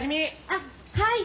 あっはい！